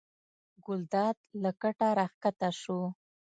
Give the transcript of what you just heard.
ګلداد له کټه راکښته شو.